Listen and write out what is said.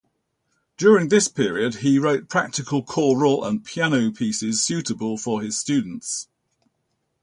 During this period, he wrote practical choral and piano pieces suitable for his students.